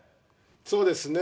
そうですね。